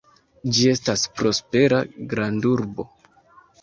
Ĝi estas prospera grandurbo.